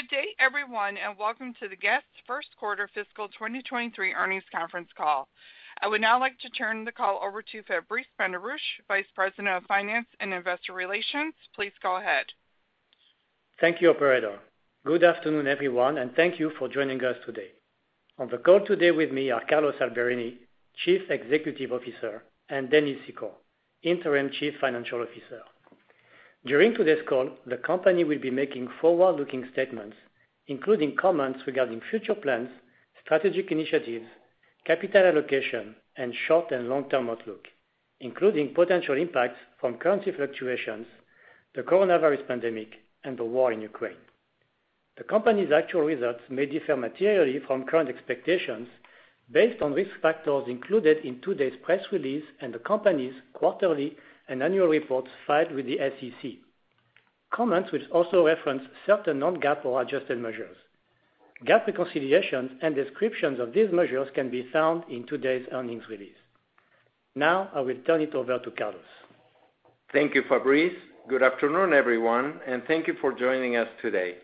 Good day, everyone, and welcome to the Guess? Q1 fiscal 2023 earnings conference call. I would now like to turn the call over to Fabrice Benarouche, Vice President of Finance and Investor Relations. Please go ahead. Thank you, operator. Good afternoon, everyone, and thank you for joining us today. On the call today with me are Carlos Alberini, Chief Executive Officer, and Dennis Secor, Interim Chief Financial Officer. During today's call, the company will be making forward-looking statements, including comments regarding future plans, strategic initiatives, capital allocation, and short and long-term outlook, including potential impacts from currency fluctuations, the coronavirus pandemic, and the war in Ukraine. The company's actual results may differ materially from current expectations based on risk factors included in today's press release and the company's quarterly and annual reports filed with the SEC. Comments which also reference certain non-GAAP or adjusted measures. GAAP reconciliations and descriptions of these measures can be found in today's earnings release. Now I will turn it over to Carlos. Thank you, Fabrice. Good afternoon, everyone, and thank you for joining us today.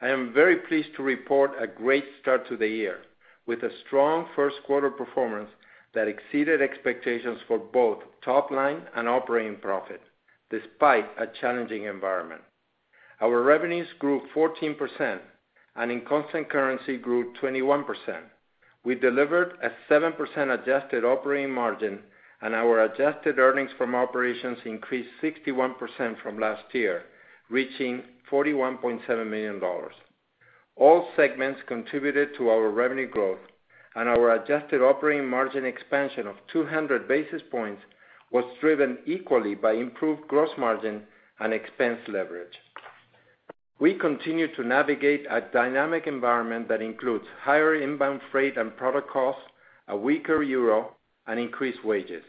I am very pleased to report a great start to the year, with a strong Q1 performance that exceeded expectations for both top line and operating profit, despite a challenging environment. Our revenues grew 14%, and in constant currency grew 21%. We delivered a 7% adjusted operating margin, and our adjusted earnings from operations increased 61% from last year, reaching $41.7 million. All segments contributed to our revenue growth, and our adjusted operating margin expansion of 200 basis points was driven equally by improved gross margin and expense leverage. We continue to navigate a dynamic environment that includes higher inbound freight and product costs, a weaker euro, and increased wages.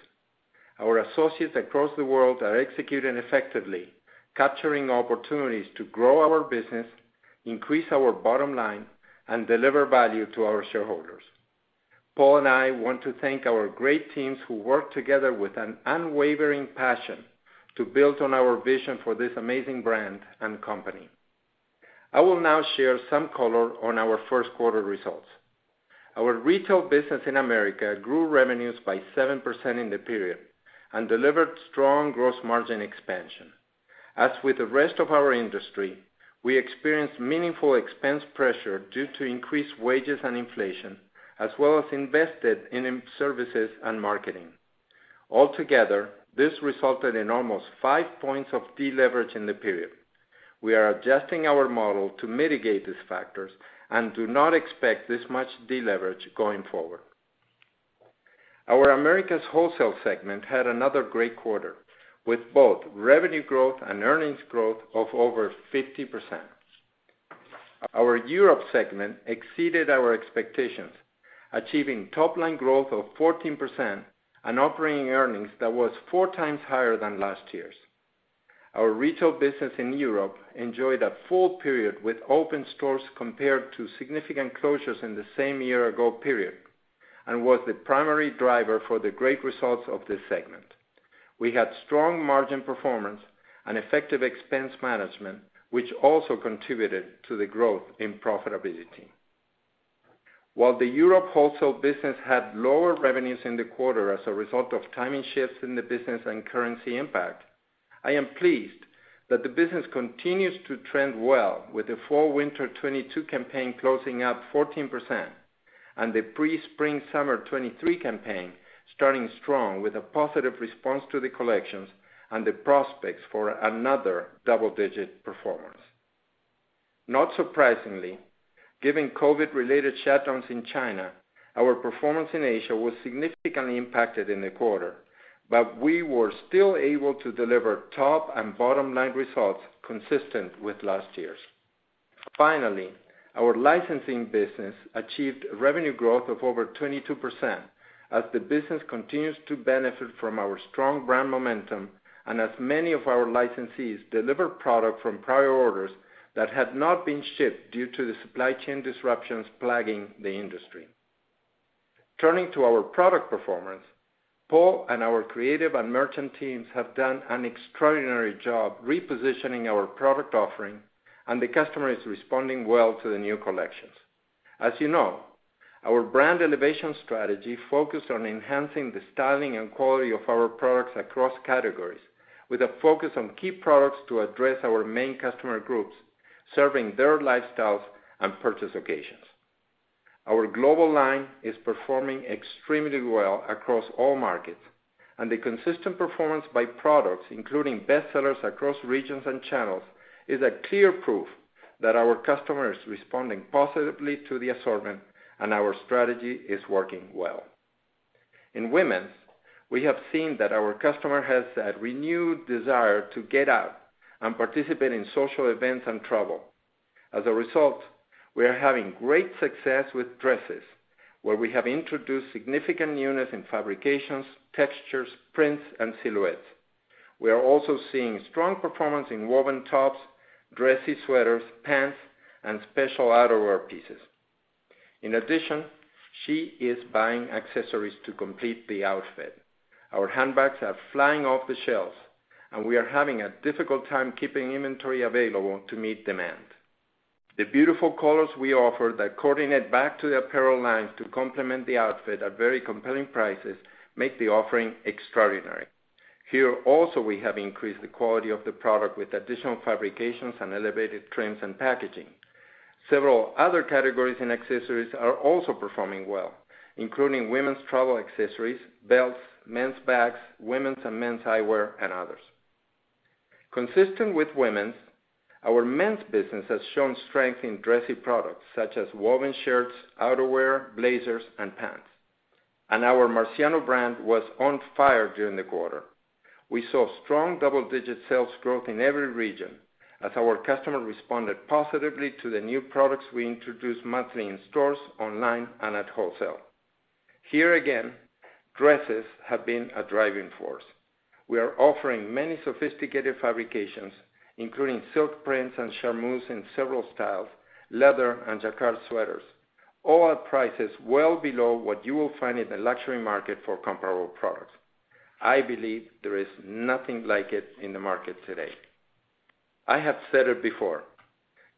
Our associates across the world are executing effectively, capturing opportunities to grow our business, increase our bottom line, and deliver value to our shareholders. Paul and I want to thank our great teams who work together with an unwavering passion to build on our vision for this amazing brand and company. I will now share some color on our Q1 results. Our retail business in Americas grew revenues by 7% in the period and delivered strong gross margin expansion. As with the rest of our industry, we experienced meaningful expense pressure due to increased wages and inflation, as well as invested in services and marketing. Altogether, this resulted in almost five points of deleverage in the period. We are adjusting our model to mitigate these factors and do not expect this much deleverage going forward. Our Americas Wholesale segment had another great quarter, with both revenue growth and earnings growth of over 50%. Our Europe segment exceeded our expectations, achieving top line growth of 14% and operating earnings that was 4 times higher than last year's. Our retail business in Europe, enjoyed a full period with open stores compared to significant closures in the same year-ago period and was the primary driver for the great results of this segment. We had strong margin performance and effective expense management, which also contributed to the growth in profitability. While the Europe wholesale business had lower revenues in the quarter as a result of timing shifts in the business and currency impact, I am pleased that the business continues to trend well with the Fall/Winter '22 campaign closing up 14% and the pre-Spring/Summer '23 campaign starting strong with a positive response to the collections and the prospects for another double-digit performance. Not surprisingly, given COVID-related shutdowns in China, our performance in Asia was significantly impacted in the quarter, but we were still able to deliver top and bottom line results consistent with last year's. Finally, our licensing business achieved revenue growth of over 22% as the business continues to benefit from our strong brand momentum and as many of our licensees deliver product from prior orders that had not been shipped due to the supply chain disruptions plaguing the industry. Turning to our product performance, Paul and our creative and merchant teams have done an extraordinary job repositioning our product offering and the customer is responding well to the new collections. As you know, our brand elevation strategy focused on enhancing the styling and quality of our products across categories with a focus on key products to address our main customer groups, serving their lifestyles and purchase occasions. Our global line is performing extremely well across all markets and the consistent performance by products, including bestsellers across regions and channels, is a clear proof that our customer is responding positively to the assortment and our strategy is working well. In women's, we have seen that our customer has a renewed desire to get out and participate in social events and travel. As a result, we are having great success with dresses, where we have introduced significant newness in fabrications, textures, prints, and silhouettes. We are also seeing strong performance in woven tops, dressy sweaters, pants, and special outerwear pieces. In addition, she is buying accessories to complete the outfit. Our handbags are flying off the shelves, and we are having a difficult time keeping inventory available to meet demand. The beautiful colors we offer that coordinate back to the apparel lines to complement the outfit at very compelling prices make the offering extraordinary. Here, also, we have increased the quality of the product with additional fabrications and elevated trims and packaging. Several other categories and accessories are also performing well, including women's travel accessories, belts, men's bags, women's and men's eyewear, and others. Consistent with women's, our men's business has shown strength in dressy products, such as woven shirts, outerwear, blazers, and pants. Our Marciano brand was on fire during the quarter. We saw strong double-digit sales growth in every region as our customer responded positively to the new products we introduced monthly in stores, online, and at wholesale. Here again, dresses have been a driving force. We are offering many sophisticated fabrications, including silk prints and charmeuse in several styles, leather and jacquard sweaters, all at prices well below what you will find in the luxury market for comparable products, I believe there is nothing like it in the market today. I have said it before,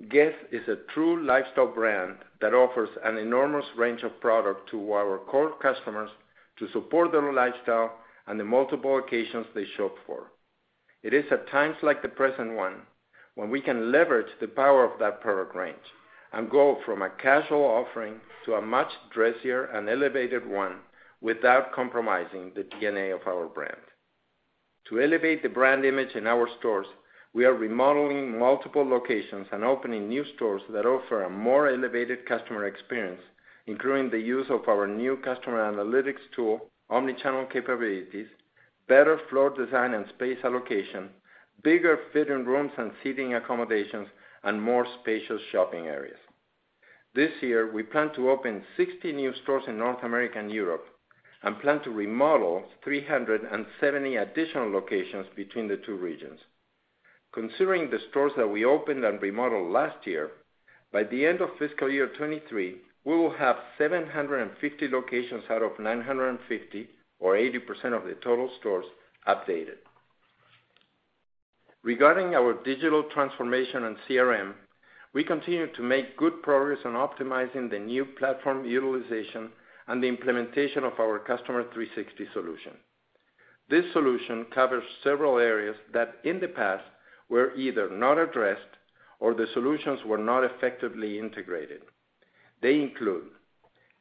Guess? is a true lifestyle brand that offers an enormous range of product to our core customers to support their lifestyle and the multiple occasions they show up for. It is at times like the present one when we can leverage the power of that product range and go from a casual offering to a much dressier and elevated one without compromising the DNA of our brand. To elevate the brand image in our stores, we are remodeling multiple locations and opening new stores that offer a more elevated customer experience, including the use of our new customer analytics tool, omni-channel capabilities, better floor design and space allocation, bigger fitting rooms and seating accommodations, and more spacious shopping areas. This year, we plan to open 60 new stores in North America and Europe, and plan to remodel 370 additional locations between the two regions. Considering the stores that we opened and remodeled last year, by the end of fiscal year 2023, we will have 750 locations out of 950, or 80% of the total stores updated. Regarding our digital transformation and CRM, we continue to make good progress on optimizing the new platform utilization and the implementation of our Customer 360 solution. This solution covers several areas that, in the past, were either not addressed or the solutions were not effectively integrated. They include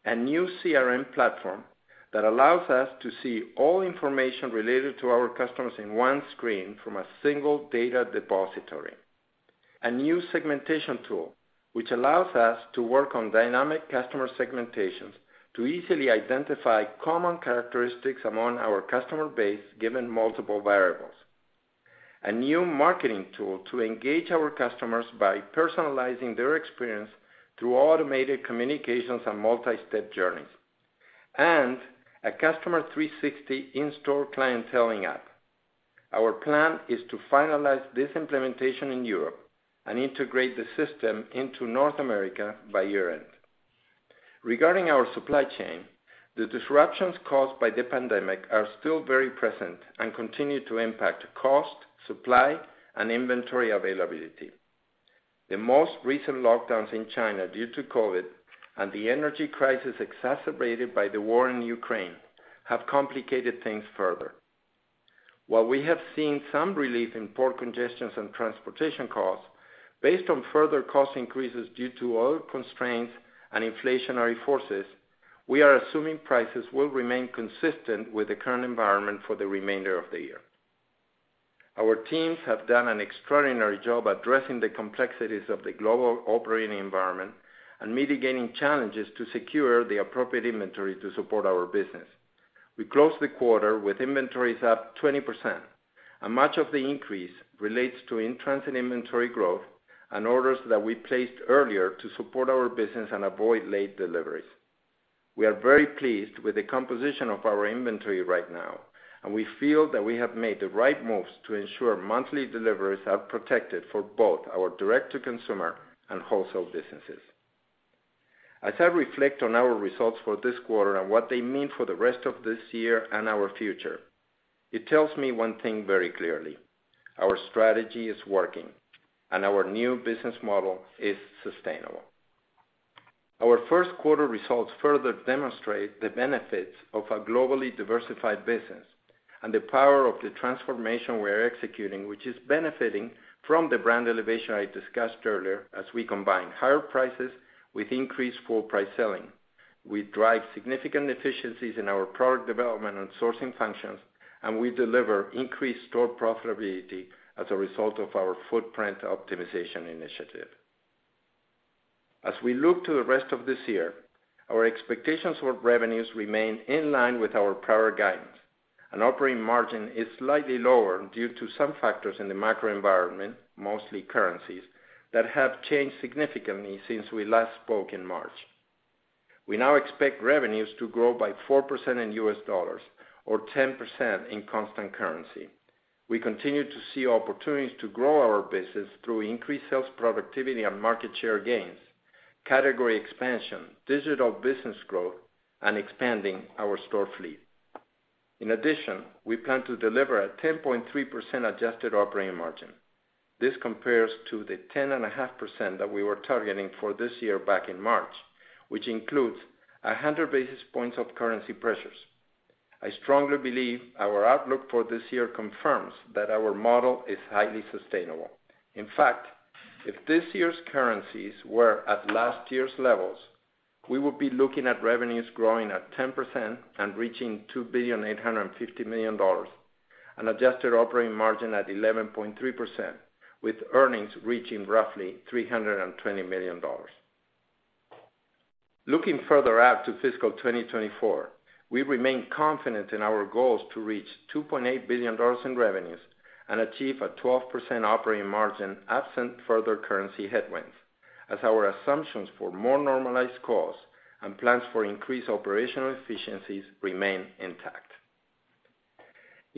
a new CRM platform that allows us to see all information related to our customers in one screen from a single data depository. A new segmentation tool which allows us to work on dynamic customer segmentations to easily identify common characteristics among our customer base given multiple variables. A new marketing tool to engage our customers by personalizing their experience through automated communications and multi-step journeys. A Customer 360 in-store clienteling app. Our plan is to finalize this implementation in Europe and integrate the system into North America by year-end. Regarding our supply chain, the disruptions caused by the pandemic are still very present and continue to impact cost, supply, and inventory availability. The most recent lockdowns in China due to COVID and the energy crisis exacerbated by the war in Ukraine have complicated things further. While we have seen some relief in port congestions and transportation costs, based on further cost increases due to other constraints and inflationary forces, we are assuming prices will remain consistent with the current environment for the remainder of the year. Our teams have done an extraordinary job addressing the complexities of the global operating environment and mitigating challenges to secure the appropriate inventory to support our business. We closed the quarter with inventories up 20%, and much of the increase relates to in-transit inventory growth and orders that we placed earlier to support our business and avoid late deliveries. We are very pleased with the composition of our inventory right now, and we feel that we have made the right moves to ensure monthly deliveries are protected for both our direct-to-consumer and wholesale businesses. As I reflect on our results for this quarter and what they mean for the rest of this year and our future, it tells me one thing very clearly. Our strategy is working and our new business model is sustainable. Our Q1 results further demonstrate the benefits of a globally diversified business and the power of the transformation we are executing, which is benefiting from the brand elevation I discussed earlier as we combine higher prices with increased full price selling. We drive significant efficiencies in our product development and sourcing functions, and we deliver increased store profitability as a result of our footprint optimization initiative. As we look to the rest of this year, our expectations for revenues remain in line with our prior guidance, and operating margin is slightly lower due to some factors in the macro environment, mostly currencies, that have changed significantly since we last spoke in March. We now expect revenues to grow by 4% in U.S. dollars or 10% in constant currency. We continue to see opportunities to grow our business through increased sales productivity and market share gains, category expansion, digital business growth, and expanding our store fleet. In addition, we plan to deliver a 10.3% adjusted operating margin. This compares to the 10.5% that we were targeting for this year back in March, which includes 100 basis points of currency pressures. I strongly believe our outlook for this year confirms that our model is highly sustainable. In fact, if this year's currencies were at last year's levels, we would be looking at revenues growing at 10% and reaching $2.85 billion, an adjusted operating margin at 11.3% with earnings reaching roughly $320 million. Looking further out to fiscal 2024, we remain confident in our goals to reach $2.8 billion in revenues and achieve a 12% operating margin absent further currency headwinds, as our assumptions for more normalized costs and plans for increased operational efficiencies remain intact.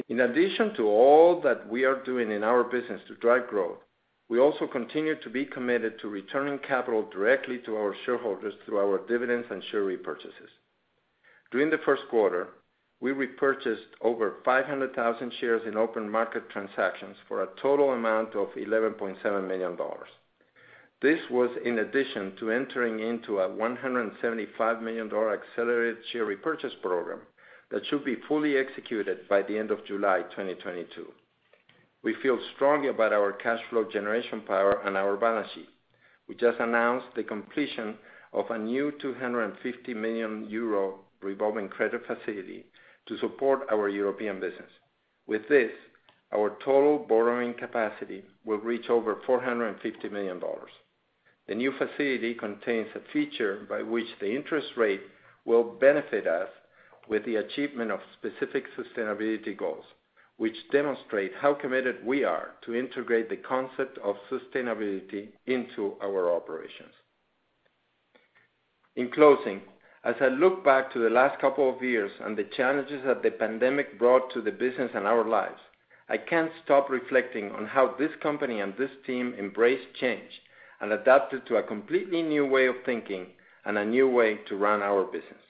In addition to all that we are doing in our business to drive growth, we also continue to be committed to returning capital directly to our shareholders through our dividends and share repurchases. During the Q1, we repurchased over 500,000 shares in open market transactions for a total amount of $11.7 million. This was in addition to entering into a $175 million accelerated share repurchase program that should be fully executed by the end of July 2022. We feel strongly about our cash flow generation power and our balance sheet. We just announced the completion of a new 250 million euro revolving credit facility to support our European business. With this, our total borrowing capacity will reach over $450 million. The new facility contains a feature by which the interest rate will benefit us with the achievement of specific sustainability goals, which demonstrate how committed we are to integrate the concept of sustainability into our operations. In closing, as I look back to the last couple of years and the challenges that the pandemic brought to the business and our lives, I can't stop reflecting on how this company and this team embraced change and adapted to a completely new way of thinking and a new way to run our business.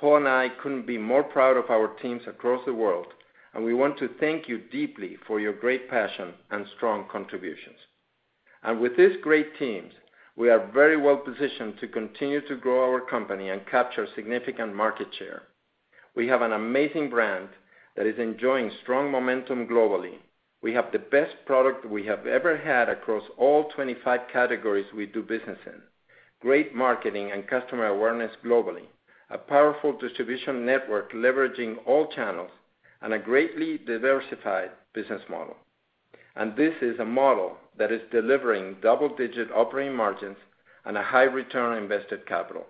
Paul and I couldn't be more proud of our teams across the world, and we want to thank you deeply for your great passion and strong contributions. With these great teams, we are very well-positioned to continue to grow our company and capture significant market share. We have an amazing brand that is enjoying strong momentum globally. We have the best product we have ever had across all 25 categories we do business in, great marketing and customer awareness globally, a powerful distribution network leveraging all channels, and a greatly diversified business model. This is a model that is delivering double-digit operating margins and a high return on invested capital.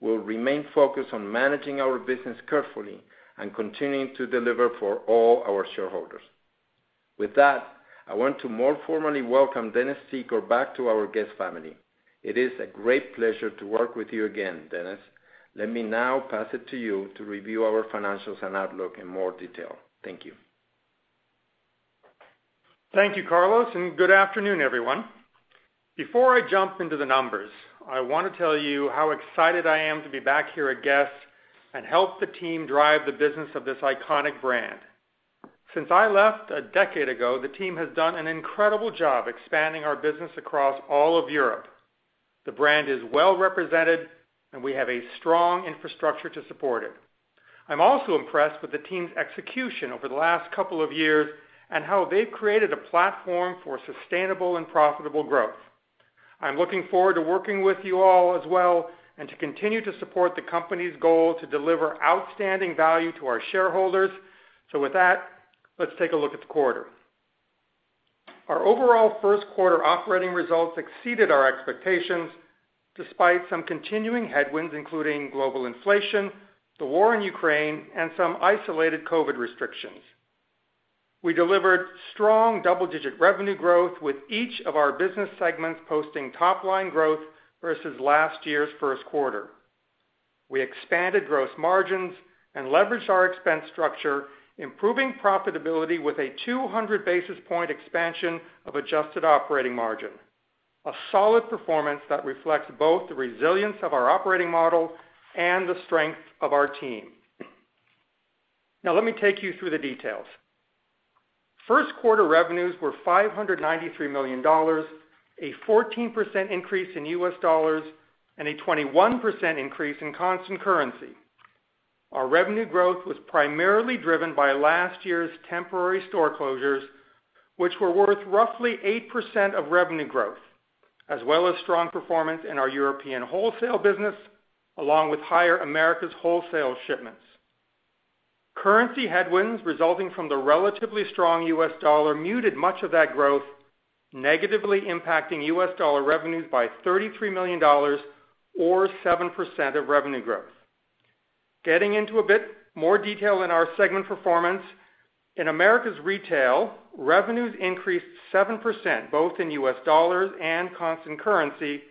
We'll remain focused on managing our business carefully and continuing to deliver for all our shareholders. With that, I want to more formally welcome Dennis Secor back to our Guess? family. It is a great pleasure to work with you again, Dennis. Let me now pass it to you to review our financials and outlook in more detail. Thank you. Thank you, Carlos, and good afternoon, everyone. Before I jump into the numbers, I want to tell you how excited I am to be back here at Guess? and help the team drive the business of this iconic brand. Since I left a decade ago, the team has done an incredible job expanding our business across all of Europe. The brand is well represented, and we have a strong infrastructure to support it. I'm also impressed with the team's execution over the last couple of years and how they have created a platform for sustainable and profitable growth. I'm looking forward to working with you all as well, and to continue to support the company's goal to deliver outstanding value to our shareholders. With that, let's take a look at the quarter. Our overall Q1 operating results exceeded our expectations despite some continuing headwinds, including global inflation, the war in Ukraine, and some isolated COVID restrictions. We delivered strong double-digit revenue growth with each of our business segments posting top-line growth versus last year's Q1. We expanded gross margins and leveraged our expense structure, improving profitability with a 200 basis point expansion of adjusted operating margin, a solid performance that reflects both the resilience of our operating model and the strength of our team. Now let me take you through the details. Q1 revenues were $593 million, a 14% increase in U.S. dollars, and a 21% increase in constant currency. Our revenue growth was primarily driven by last year's temporary store closures, which were worth roughly 8% of revenue growth, as well as strong performance in our European wholesale business, along with higher Americas Wholesale shipments. Currency headwinds resulting from the relatively strong US dollar muted much of that growth, negatively impacting US dollar revenues by $33 million or 7% of revenue growth. Getting into a bit more detail in our segment performance. In Americas Retail, revenues increased 7%, both in US dollars and constant currency.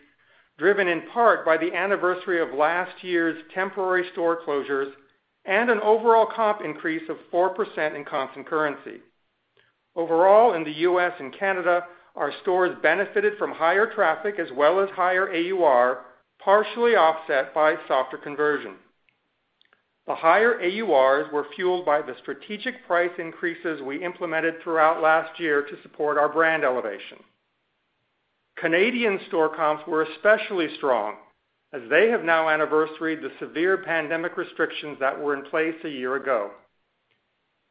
Driven in part by the anniversary of last year's temporary store closures and an overall comp increase of 4% in constant currency. Overall, in the US and Canada, our stores benefited from higher traffic as well as higher AUR, partially offset by softer conversion. The higher AURs were fueled by the strategic price increases we implemented throughout last year to support our brand elevation. Canadian store comps were especially strong as they have now anniversaried the severe pandemic restrictions that were in place a year ago.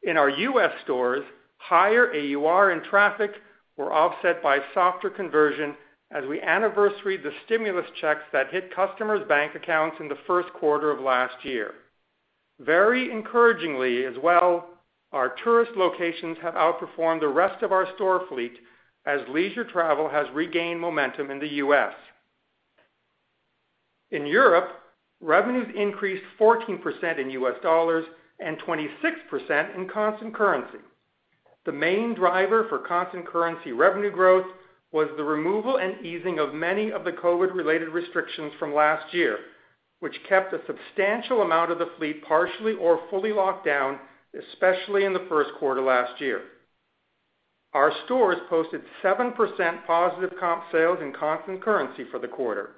In our U.S. stores, higher AUR and traffic were offset by softer conversion as we anniversaried the stimulus checks that hit customers' bank accounts in the Q1 of last year. Very encouragingly as well, our tourist locations have outperformed the rest of our store fleet as leisure travel has regained momentum in the U.S. In Europe, revenues increased 14% in USD and 26% in constant currency. The main driver for constant currency revenue growth was the removal and easing of many of the COVID-related restrictions from last year, which kept a substantial amount of the fleet partially or fully locked down, especially in the Q1 last year. Our stores posted 7% positive comp sales in constant currency for the quarter.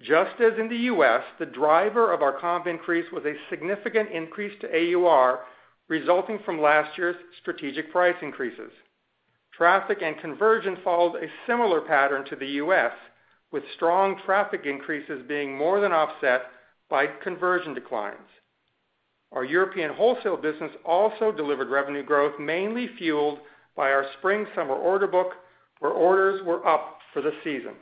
Just as in the U.S., the driver of our comp increase was a significant increase to AUR resulting from last year's strategic price increases. Traffic and conversion followed a similar pattern to the U.S., with strong traffic increases being more than offset by conversion declines. Our European wholesale business also delivered revenue growth mainly fueled by our spring-summer order book, where orders were up for the season.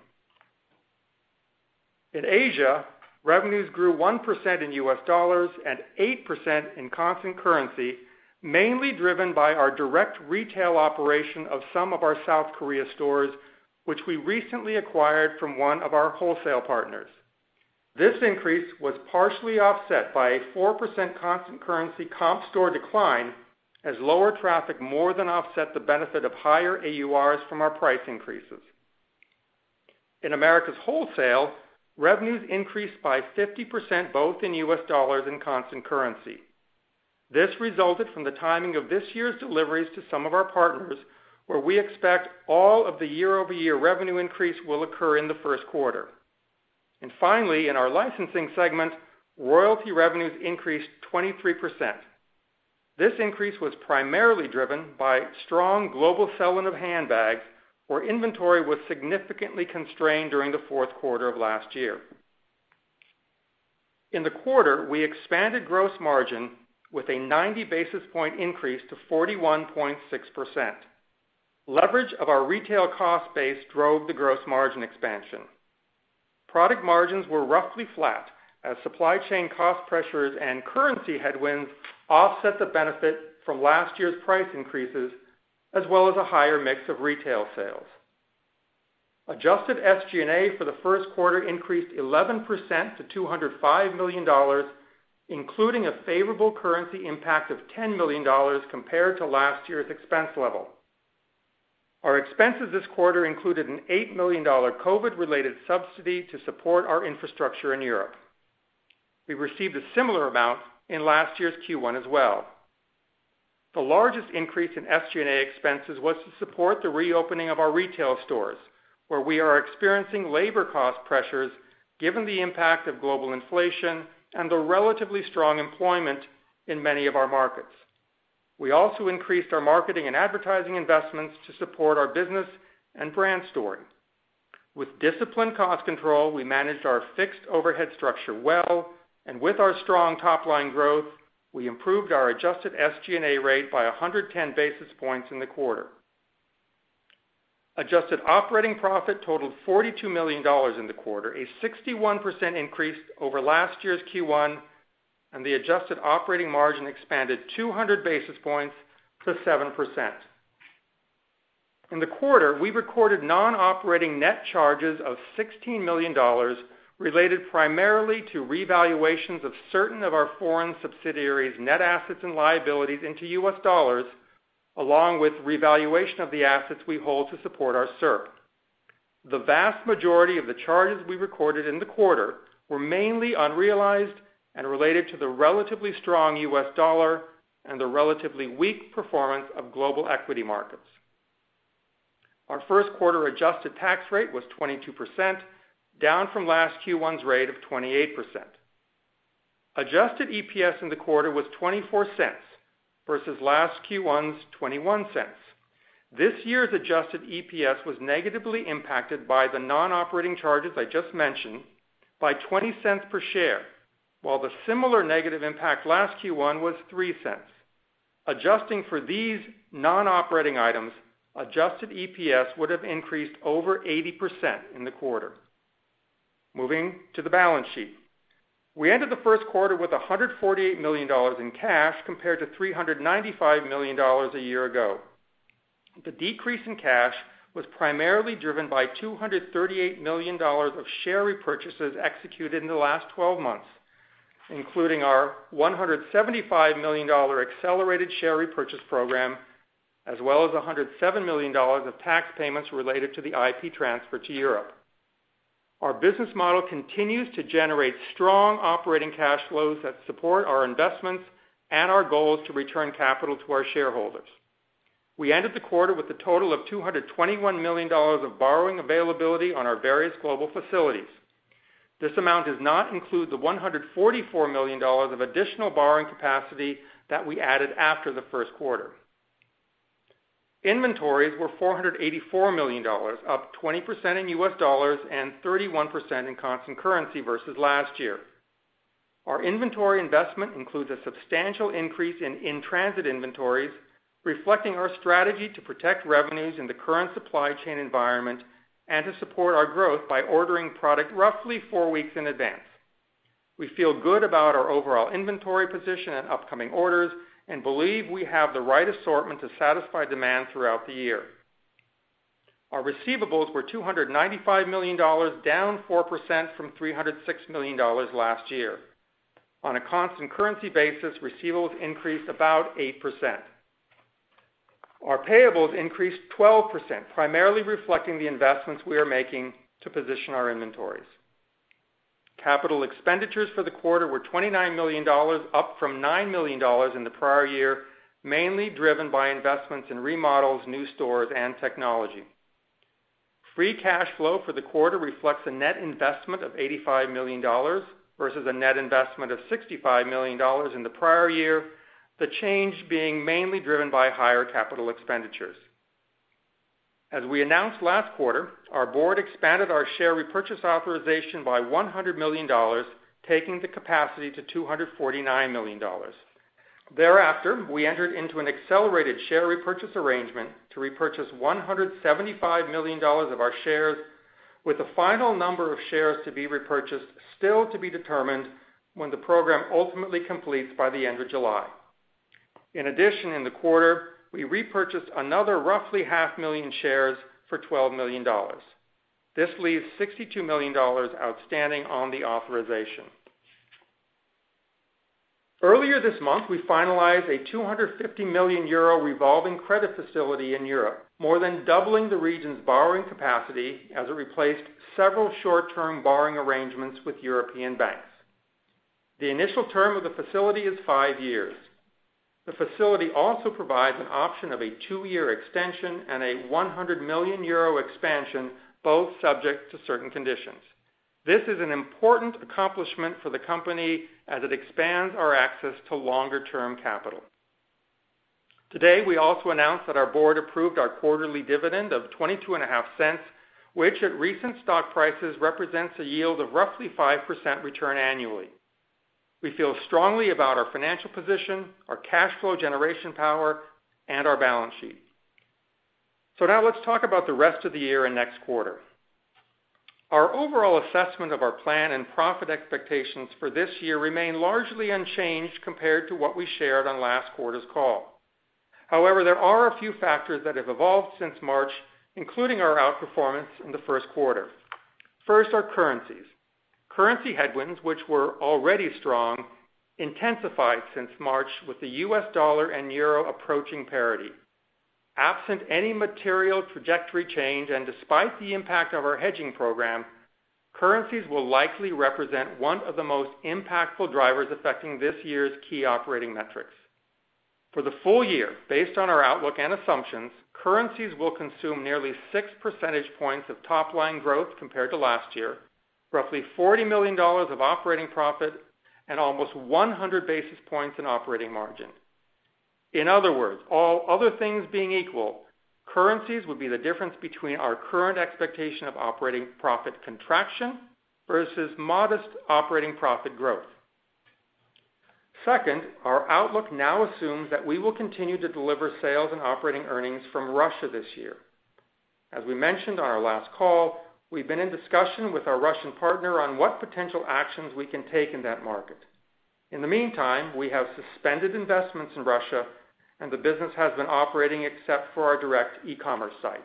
In Asia, revenues grew 1% in US dollars and 8% in constant currency, mainly driven by our direct retail operation of some of our South Korea stores, which we recently acquired from one of our wholesale partners. This increase was partially offset by a 4% constant currency comp store decline as lower traffic more than offset the benefit of higher AURs from our price increases. In Americas Wholesale, revenues increased by 50%, both in US dollars and constant currency. This resulted from the timing of this year's deliveries to some of our partners, where we expect all of the year-over-year revenue increase will occur in the Q1. Finally, in our licensing segment, royalty revenues increased 23%. This increase was primarily driven by strong global sell-in of handbags, where inventory was significantly constrained during the Q4 of last year. In the quarter, we expanded gross margin with a 90 basis points increase to 41.6%. Leverage of our retail cost base drove the gross margin expansion. Product margins were roughly flat as supply chain cost pressures and currency headwinds offset the benefit from last year's price increases, as well as a higher mix of retail sales. Adjusted SG&A for the Q1 increased 11% to $205 million, including a favorable currency impact of $10 million compared to last year's expense level. Our expenses this quarter included an $8 million COVID-related subsidy to support our infrastructure in Europe. We received a similar amount in last year's Q1 as well. The largest increase in SG&A expenses was to support the reopening of our retail stores, where we are experiencing labor cost pressures given the impact of global inflation and the relatively strong employment in many of our markets. We also increased our marketing and advertising investments to support our business and brand story. With disciplined cost control, we managed our fixed overhead structure well, and with our strong top-line growth, we improved our adjusted SG&A rate by 110 basis points in the quarter. Adjusted operating profit totaled $42 million in the quarter, a 61% increase over last year's Q1, and the adjusted operating margin expanded 200 basis points to 7%. In the quarter, we recorded non-operating net charges of $16 million related primarily to revaluations of certain of our foreign subsidiaries' net assets and liabilities into US dollars, along with revaluation of the assets we hold to support our SERP. The vast majority of the charges we recorded in the quarter were mainly unrealized and related to the relatively strong US dollar and the relatively weak performance of global equity markets. Our Q1 adjusted tax rate was 22%, down from last Q1's rate of 28%. Adjusted EPS in the quarter was $0.24 versus last Q1's $0.21. This year's adjusted EPS was negatively impacted by the non-operating charges I just mentioned by $0.20 per share, while the similar negative impact last Q1 was $0.03. Adjusting for these non-operating items, adjusted EPS would have increased over 80% in the quarter. Moving to the balance sheet. We ended the Q1 with $148 million in cash compared to $395 million a year ago. The decrease in cash was primarily driven by $238 million of share repurchases executed in the last 12 months, including our $175 million accelerated share repurchase program, as well as $107 million of tax payments related to the IP transfer to Europe. Our business model continues to generate strong operating cash flows that support our investments and our goals to return capital to our shareholders. We ended the quarter with a total of $221 million of borrowing availability on our various global facilities. This amount does not include the $144 million of additional borrowing capacity that we added after the Q1. Inventories were $484 million, up 20% in US dollars and 31% in constant currency versus last year. Our inventory investment includes a substantial increase in in-transit inventories, reflecting our strategy to protect revenues in the current supply chain environment and to support our growth by ordering product roughly four weeks in advance. We feel good about our overall inventory position and upcoming orders and believe we have the right assortment to satisfy demand throughout the year. Our receivables were $295 million, down 4% from $306 million last year. On a constant currency basis, receivables increased about 8%. Our payables increased 12%, primarily reflecting the investments we are making to position our inventories. Capital expenditures for the quarter were $29 million, up from $9 million in the prior year, mainly driven by investments in remodels, new stores and technology. Free cash flow for the quarter reflects a net investment of $85 million versus a net investment of $65 million in the prior year. The change being mainly driven by higher capital expenditures. As we announced last quarter, our board expanded our share repurchase authorization by $100 million, taking the capacity to $249 million. Thereafter, we entered into an accelerated share repurchase arrangement to repurchase $175 million of our shares with the final number of shares to be repurchased, still to be determined when the program ultimately completes by the end of July. In addition, in the quarter, we repurchased another roughly 500,000 shares for $12 million. This leaves $62 million outstanding on the authorization. Earlier this month, we finalized a 250 million euro revolving credit facility in Europe, more than doubling the region's borrowing capacity as it replaced several short-term borrowing arrangements with European banks. The initial term of the facility is 5 years. The facility also provides an option of a 2-year extension and a 100 million euro expansion, both subject to certain conditions. This is an important accomplishment for the company as it expands our access to longer term capital. Today, we also announced that our board approved our quarterly dividend of $0.225, which at recent stock prices represents a yield of roughly 5% return annually. We feel strongly about our financial position, our cash flow generation power, and our balance sheet. Now let's talk about the rest of the year and next quarter. Our overall assessment of our plan and profit expectations for this year remain largely unchanged compared to what we shared on last quarter's call. However, there are a few factors that have evolved since March, including our outperformance in the Q1. First are currencies. Currency headwinds, which were already strong, intensified since March with the U.S. dollar and euro approaching parity. Absent any material trajectory change, and despite the impact of our hedging program, currencies will likely represent one of the most impactful drivers affecting this year's key operating metrics. For the full year, based on our outlook and assumptions, currencies will consume nearly 6 percentage points of top line growth compared to last year. Roughly $40 million of operating profit and almost 100 basis points in operating margin. In other words, all other things being equal, currencies would be the difference between our current expectation of operating profit contraction versus modest operating profit growth. Second, our outlook now assumes that we will continue to deliver sales and operating earnings from Russia this year. As we mentioned on our last call, we've been in discussion with our Russian partner on what potential actions we can take in that market. In the meantime, we have suspended investments in Russia and the business has been operating except for our direct e-commerce site.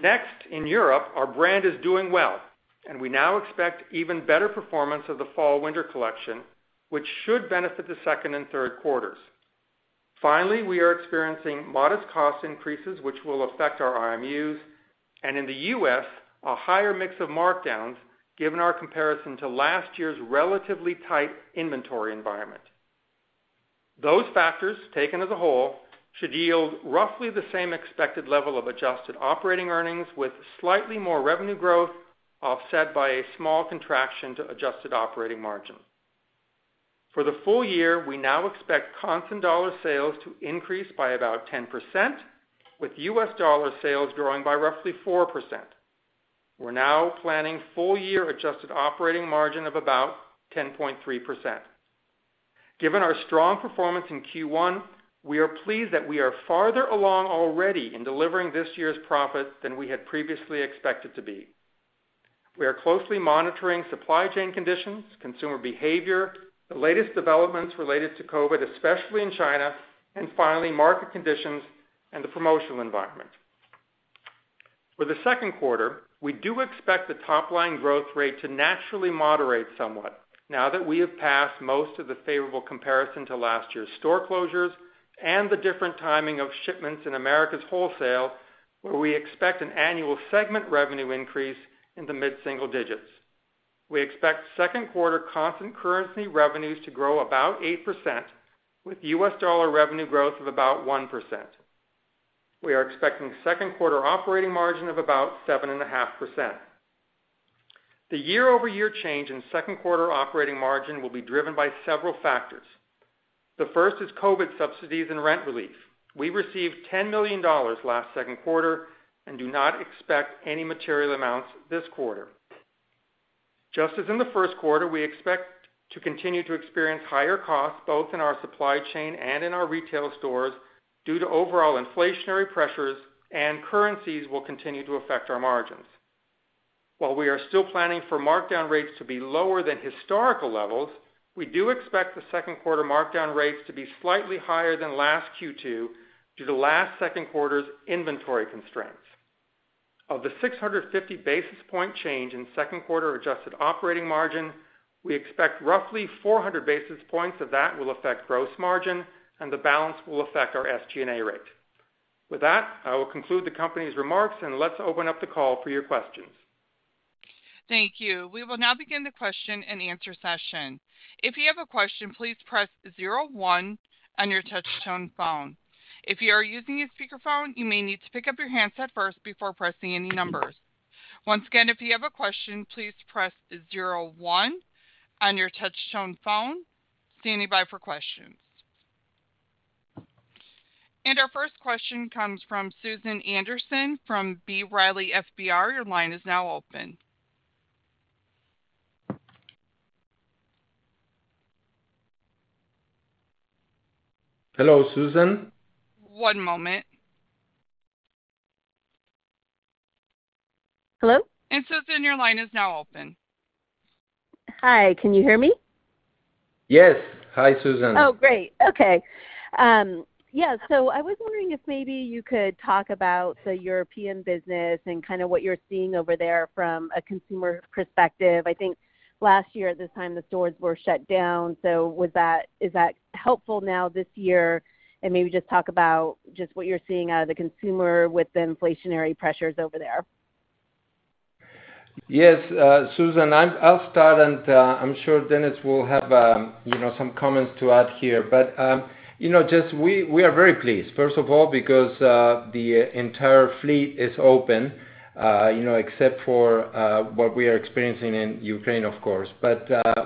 Next, in Europe, our brand is doing well and we now expect even better performance of the Fall Winter collection, which should benefit the second and Q3. Finally, we are experiencing modest cost increases which will affect our IMUs. In the U.S., a higher mix of markdowns given our comparison to last year's relatively tight inventory environment. Those factors, taken as a whole, should yield roughly the same expected level of adjusted operating earnings with slightly more revenue growth, offset by a small contraction to adjusted operating margin. For the full year, we now expect constant dollar sales to increase by about 10%, with U.S. dollar sales growing by roughly 4%. We're now planning full year adjusted operating margin of about 10.3%. Given our strong performance in Q1, we are pleased that we are farther along already in delivering this year's profits than we had previously expected to be. We are closely monitoring supply chain conditions, consumer behavior, the latest developments related to COVID, especially in China, and finally, market conditions and the promotional environment. For the Q2, we do expect the top line growth rate to naturally moderate somewhat now that we have passed most of the favorable comparison to last year's store closures and the different timing of shipments in Americas Wholesale, where we expect an annual segment revenue increase in the mid-single digits. We expect Q2 constant currency revenues to grow about 8% with U.S. dollar revenue growth of about 1%. We are expecting Q2 operating margin of about 7.5%. The year-over-year change in Q2 operating margin will be driven by several factors. The first is COVID subsidies and rent relief. We received $10 million last Q2 and do not expect any material amounts this quarter. Just as in the Q1, we expect to continue to experience higher costs, both in our supply chain and in our retail stores, due to overall inflationary pressures, and currencies will continue to affect our margins. While we are still planning for markdown rates to be lower than historical levels, we do expect the Q2 markdown rates to be slightly higher than last Q2 due to last Q2 inventory constraints. Of the 650 basis point change in Q2 adjusted operating margin, we expect roughly 400 basis points of that will affect gross margin, and the balance will affect our SG&A rate. With that, I will conclude the company's remarks, and let's open up the call for your questions. Thank you. We will now begin the question-and-answer session. If you have a question, please press zero one on your touch tone phone. If you are using a speakerphone, you may need to pick up your handset first before pressing any numbers. Once again, if you have a question, please press zero one on your touch tone phone. Standing by for questions. Our first question comes from Susan Anderson from B. Riley Securities. Your line is now open. Hello, Susan. One moment. Hello? Susan, your line is now open. Hi, can you hear me? Yes. Hi, Susan. Oh, great. Okay. Yeah. I was wondering if maybe you could talk about the European business and kinda what you Are seeing over there from a consumer perspective. I think last year at this time, the stores were shut down. Is that helpful now this year? Maybe just talk about just what you're seeing out of the consumer with the inflationary pressures over there. Yes, Susan, I'll start, and I'm sure Dennis will have you know some comments to add here. You know, we are very pleased, first of all because the entire fleet is open, you know, except for what we are experiencing in Ukraine, of course.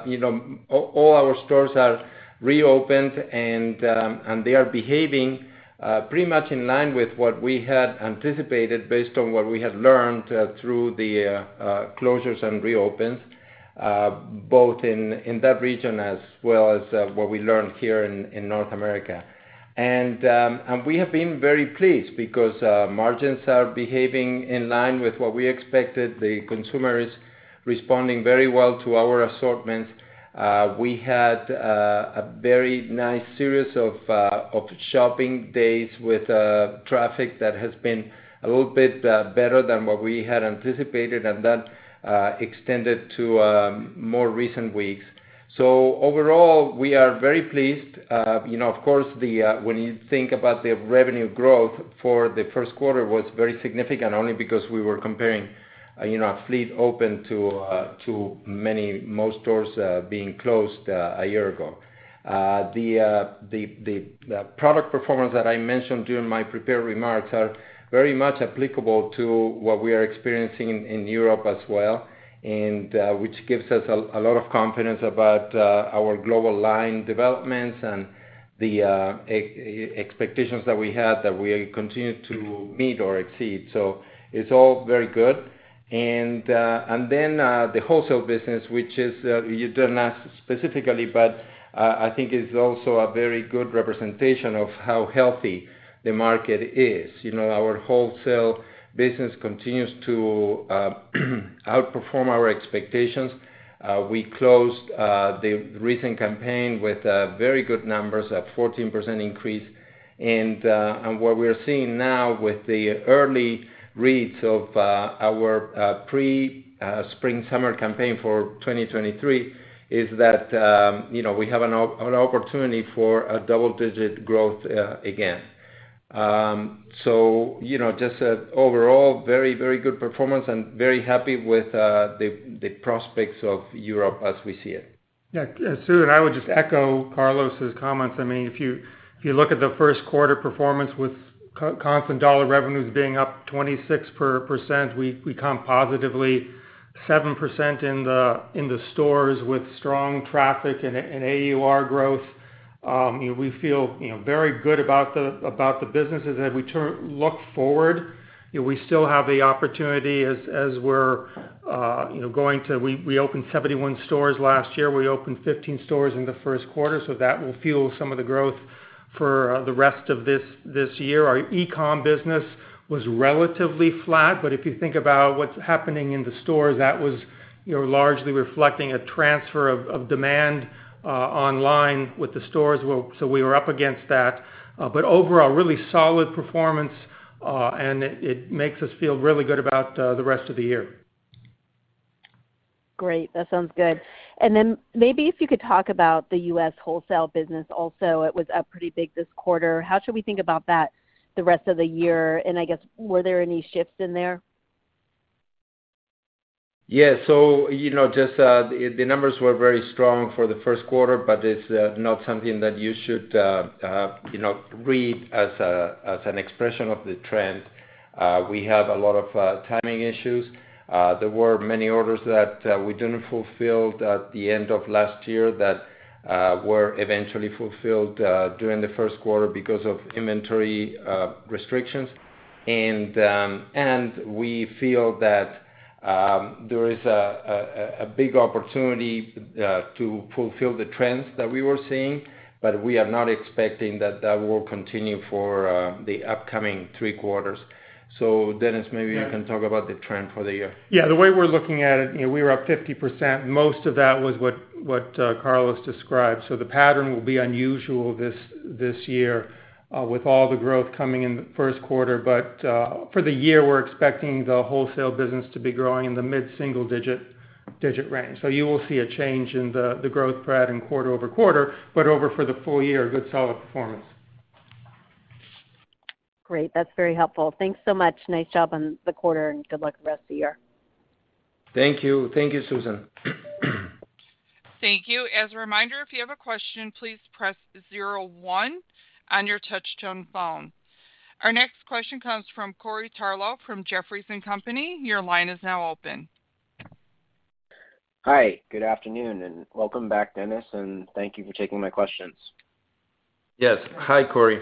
You know, all our stores are reopened and they are behaving pretty much in line with what we had anticipated based on what we had learned through the closures and reopens both in that region as well as what we learned here in North America. We have been very pleased because margins are behaving in line with what we expected. The consumer is responding very well to our assortments. We had a very nice series of shopping days with traffic that has been a little bit better than what we had anticipated, and that extended to more recent weeks. Overall, we are very pleased. You know, of course when you think about the revenue growth for the Q1 was very significant only because we were comparing, you know, a full fleet open to many, most stores being closed a year ago. The product performance that I mentioned during my prepared remarks are very much applicable to what we are experiencing in Europe as well, and which gives us a lot of confidence about our global line developments and the expectations that we had that we continue to meet or exceed. It's all very good. The wholesale business, which is, you didn't ask specifically, but, I think it's also a very good representation of how healthy the market is. You know, our wholesale business continues to outperform our expectations. We closed the recent campaign with very good numbers, a 14% increase. What we're seeing now with the early reads of our pre-spring summer campaign for 2023 is that, you know, we have an opportunity for double-digit growth again. You know, just overall, very, very good performance and very happy with the prospects of Europe as we see it. Yeah. Sue, I would just echo Carlos' comments. I mean, if you look at the Q1 performance with constant dollar revenues being up 26%, we comped positively 7% in the stores with strong traffic and AUR growth. We feel you know very good about the business. As we look forward, we still have the opportunity as we're going to. We opened 71 stores last year. We opened 15 stores in the Q1. That will fuel some of the growth for the rest of this year. Our e-com business was relatively flat, but if you think about what's happening in the stores, that was largely reflecting a transfer of demand online with the stores. We were up against that. Overall, really solid performance, and it makes us feel really good about the rest of the year. Great. That sounds good. Maybe if you could talk about the U.S. wholesale business also, it was up pretty big this quarter. How should we think about that the rest of the year? I guess, were there any shifts in there? Yeah, you know, just the numbers were very strong for the Q1, but it's not something that you should you know, read as an expression of the trend. We have a lot of timing issues. There were many orders that we didn't fulfill at the end of last year that were eventually fulfilled during the Q1 because of inventory restrictions. We feel that there is a big opportunity to fulfill the trends that we were seeing, but we are not expecting that will continue for the upcoming Q3. Dennis, maybe you can talk about the trend for the year. Yeah. The way we're looking at it, you know, we were up 50%. Most of that was what Carlos described. The pattern will be unusual this year, with all the growth coming in the Q1. For the year, we're expecting the wholesale business to be growing in the mid-single-digit range. You will see a change in the growth pattern quarter-over-quarter, but over for the full year, good solid performance. Great. That's very helpful. Thanks so much. Nice job on the quarter, and good luck the rest of the year. Thank you. Thank you, Susan. Thank you. As a reminder, if you have a question, please press zero one on your touch tone phone. Our next question comes from Corey Tarlowe from Jefferies. Your line is now open. Hi. Good afternoon, and welcome back, Dennis, and thank you for taking my questions. Yes. Hi, Corey.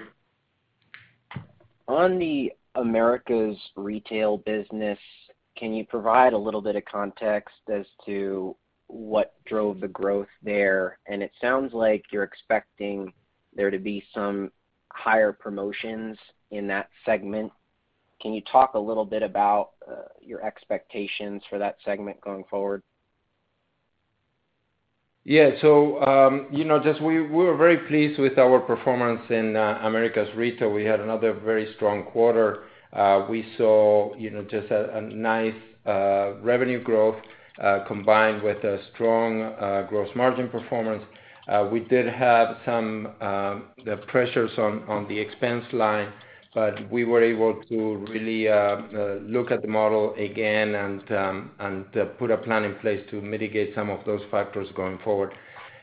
On the Americas Retail business, can you provide a little bit of context as to what drove the growth there? It sounds like you're expecting there to be some higher promotions in that segment. Can you talk a little bit about your expectations for that segment going forward? We are very pleased with our performance in Americas Retail. We had another very strong quarter. We saw you know a nice revenue growth combined with a strong gross margin performance. We did have some pressures on the expense line, but we were able to really look at the model again and put a plan in place to mitigate some of those factors going forward.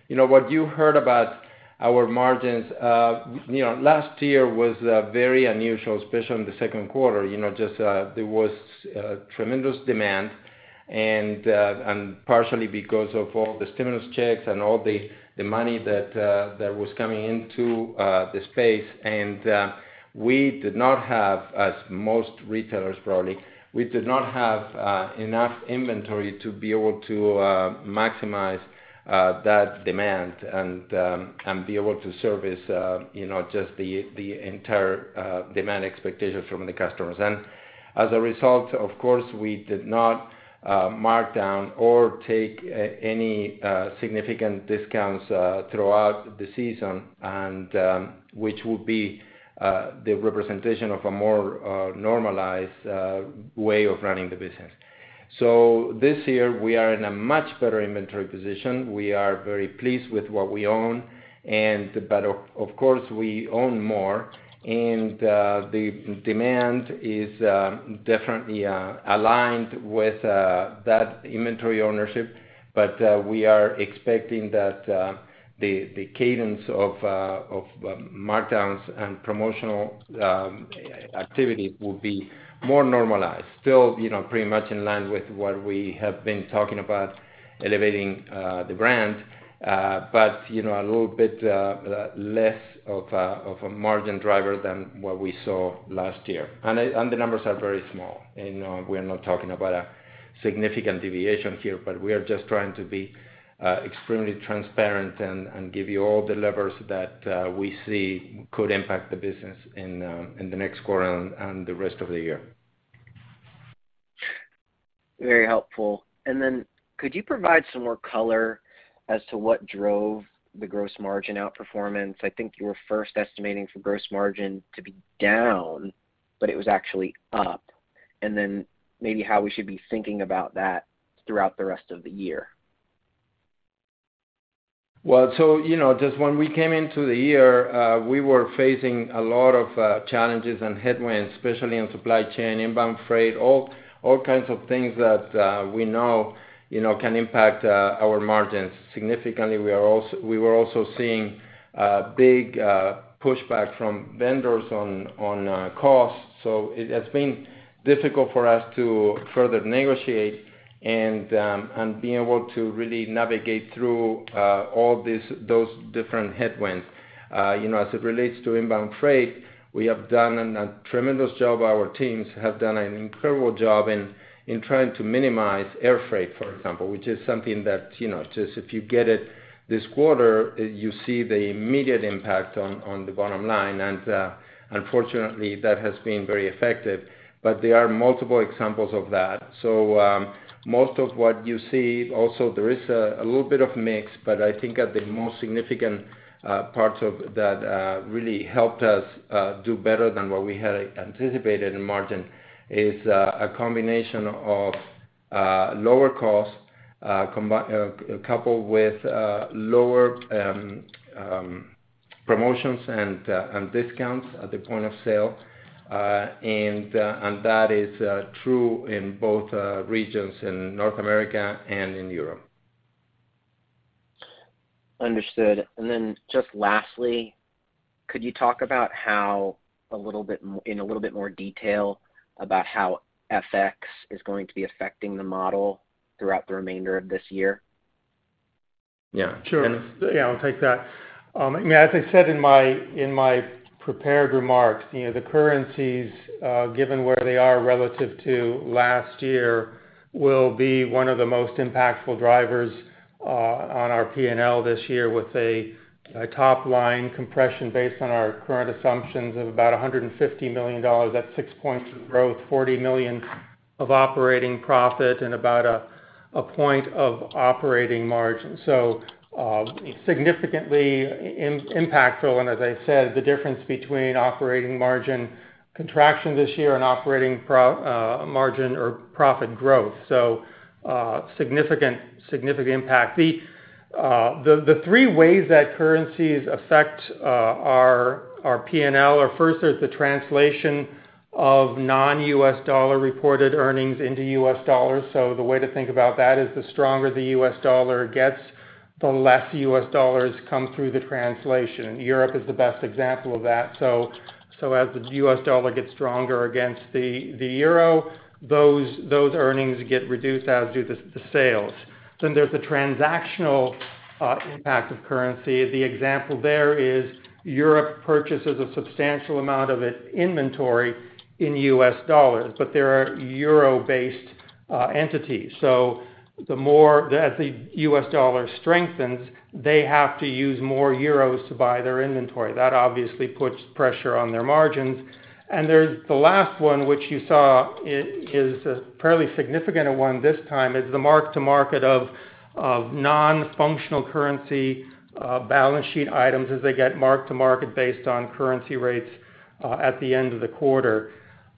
You know what you heard about our margins last year was very unusual, especially in the Q2. You know there was tremendous demand and partially because of all the stimulus checks and all the money that was coming into the space. We did not have, as most retailers, probably, enough inventory to be able to maximize that demand and be able to service you know just the entire demand expectations from the customers. As a result, of course, we did not mark down or take any significant discounts throughout the season, and which would be the representation of a more normalized way of running the business. This year, we are in a much better inventory position. We are very pleased with what we own and but of course we own more, and the demand is definitely aligned with that inventory ownership. We are expecting that the cadence of markdowns and promotional activity will be more normalized. Still, you know, pretty much in line with what we have been talking about elevating the brand, but, you know, a little bit less of a margin driver than what we saw last year. The numbers are very small, and we're not talking about a significant deviation here, but we are just trying to be extremely transparent and give you all the levers that we see could impact the business in the next quarter and the rest of the year. Very helpful. Then could you provide some more color as to what drove the gross margin outperformance? I think you were first estimating for gross margin to be down, but it was actually up. Maybe how we should be thinking about that throughout the rest of the year? Well, you know, just when we came into the year, we were facing a lot of challenges and headwinds, especially in supply chain, inbound freight, all kinds of things that we know, you know, can impact our margins significantly. We were also seeing a big pushback from vendors on costs. It has been difficult for us to further negotiate and being able to really navigate through those different headwinds. You know, as it relates to inbound freight, we have done a tremendous job. Our teams have done an incredible job in trying to minimize air freight, for example, which is something that, you know, just if you get it this quarter, you see the immediate impact on the bottom line. Unfortunately, that has been very effective, but there are multiple examples of that. Most of what you see also there is a little bit of mix, but I think at the most significant parts of that really helped us do better than what we had anticipated in margin is a combination of lower costs coupled with lower promotions and discounts at the point of sale. That is true in both regions in North America and in Europe. Understood. Just lastly, could you talk about in a little bit more detail about how FX is going to be affecting the model throughout the remainder of this year? Yeah. Sure. And- Yeah, I'll take that. I mean, as I said in my prepared remarks, you know, the currencies, given where they are relative to last year, will be one of the most impactful drivers on our P&L this year with a top-line compression based on our current assumptions of about $150 million. That's 6 points of growth, $40 million of operating profit and about 1 point of operating margin. Significantly impactful. As I said, the difference between operating margin contraction this year and operating margin or profit growth, so significant impact. The three ways that currencies affect our P&L are first there is the translation of non-U.S. dollar reported earnings into U.S. dollars. The way to think about that is the stronger the US dollar gets, the less US dollars come through the translation. Europe is the best example of that. As the US dollar gets stronger against the euro, those earnings get reduced as do the sales. There's the transactional impact of currency. The example there is Europe purchases a substantial amount of its inventory in US dollars, but they are euro-based entities. As the US dollar strengthens, they have to use more euros to buy their inventory. That obviously puts pressure on their margins. There's the last one, which you saw is a fairly significant one this time, is the mark-to-market of non-functional currency balance sheet items as they get mark to market based on currency rates at the end of the quarter.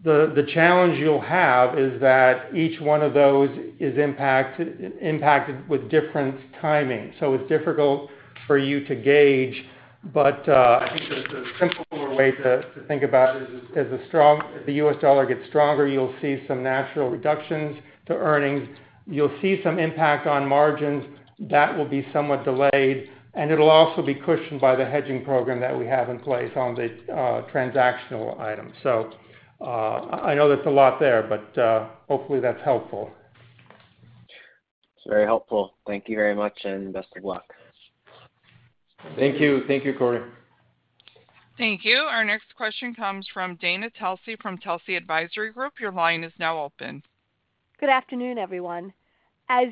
The challenge you'll have is that each one of those is impacted with different timing, so it's difficult for you to gauge. I think the simpler way to think about it is as if the US dollar gets stronger, you'll see some natural reductions to earnings. You'll see some impact on margins that will be somewhat delayed, and it'll also be cushioned by the hedging program that we have in place on the transactional items. I know there's a lot there, but hopefully, that's helpful. It's very helpful. Thank you very much, and best of luck. Thank you. Thank you, Corey. Thank you. Our next question comes from Dana Telsey from Telsey Advisory Group. Your line is now open. Good afternoon, everyone. Hi.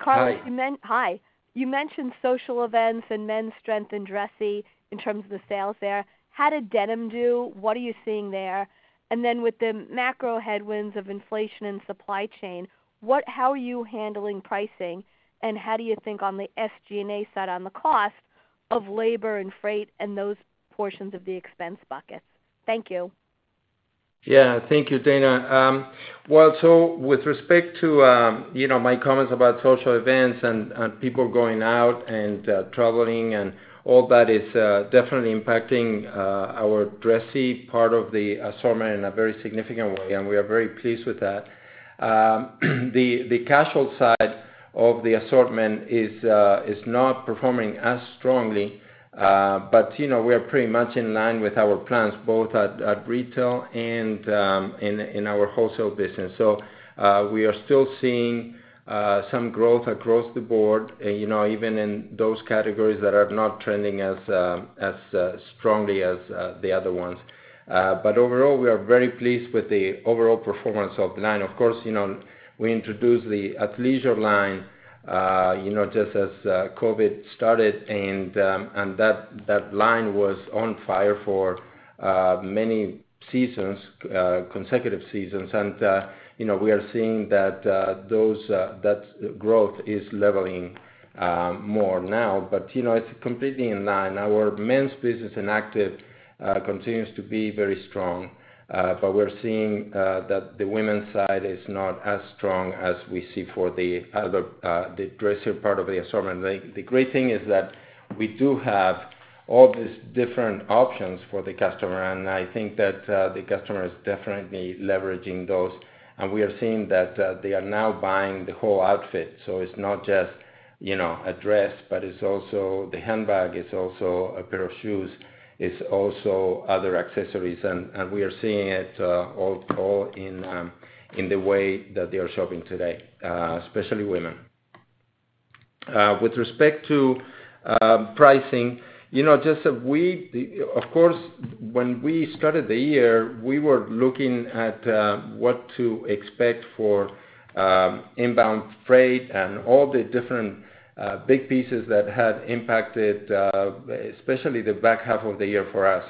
Hi. You mentioned social events and men's strength in dressy in terms of the sales there. How did denim do? What are you seeing there? With the macro headwinds of inflation and supply chain, how are you handling pricing, and how do you think on the SG&A side, on the cost of labor and freight and those portions of the expense buckets? Thank you. Yeah. Thank you, Dana. With respect to, you know, my comments about social events and people going out and traveling and all that is definitely impacting our dressy part of the assortment in a very significant way, and we are very pleased with that. The casual side of the assortment is not performing as strongly. But, you know, we are pretty much in line with our plans both at retail and in our wholesale business. We are still seeing some growth across the board, you know, even in those categories that are not trending as strongly as the other ones. But overall, we are very pleased with the overall performance of the line. Of course, you know, we introduced the athleisure line, you know, just as COVID started, and that line was on fire for many seasons, consecutive seasons. You know, we are seeing that growth is leveling more now. You know, it's completely in line. Our men's business in active continues to be very strong. We're seeing that the women's side is not as strong as we see for the other, the dressier part of the assortment. The great thing is that we do have all these different options for the customer, and I think that the customer is definitely leveraging those. We are seeing that they are now buying the whole outfit, so it's not just, you know, a dress, but it's also the handbag, it's also a pair of shoes, it's also other accessories. We are seeing it all in the way that they are shopping today, especially women. With respect to pricing, you know, just that of course, when we started the year, we were looking at what to expect for inbound freight and all the different big pieces that had impacted, especially the back half of the year for us,